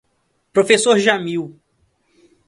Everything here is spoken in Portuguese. Professor Jamil